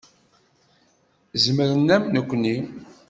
Zemren am nekni.